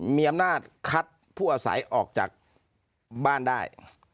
มีอำนาจคัดผู้อาศัยออกจากบ้านได้